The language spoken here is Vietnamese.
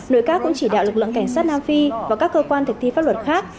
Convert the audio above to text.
nội các cũng chỉ đạo lực lượng cảnh sát nam phi và các cơ quan thực thi pháp luật khác